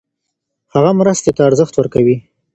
هغه مرستې ته ارزښت ورکوي.